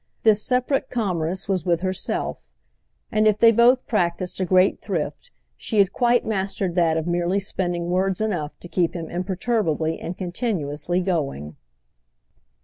This separate commerce was with herself; and if they both practised a great thrift she had quite mastered that of merely spending words enough to keep him imperturbably and continuously going.